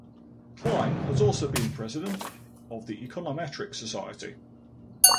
Klein has also been president of the Econometric Society.